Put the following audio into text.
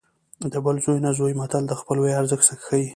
د بل زوی نه زوی متل د خپلوۍ ارزښت ښيي